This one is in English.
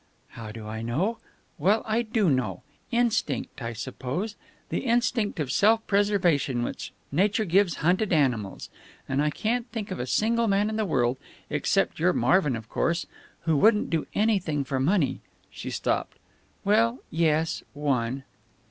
"How do I know? Well, I do know. Instinct, I suppose. The instinct of self preservation which nature gives hunted animals. I can't think of a single man in the world except your Marvin, of course who wouldn't do anything for money." She stopped. "Well, yes, one."